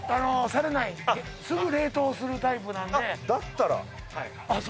されないすぐ冷凍するタイプなんでだったらあっ